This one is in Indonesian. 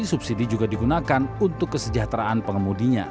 subsidi juga digunakan untuk kesejahteraan pengemudinya